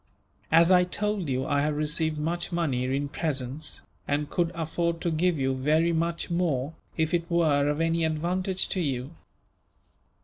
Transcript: As I told you, I have received much money in presents, and could afford to give you very much more, if it were of any advantage to you.